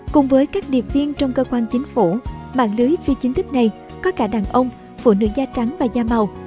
cùng với các điệp viên trong cơ quan chính phủ mạng lưới phi chính thức này có cả đàn ông phụ nữ da trắng và da màu